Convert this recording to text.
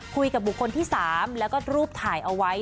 คุยกับบุคคลที่๓แล้วก็รูปถ่ายเอาไว้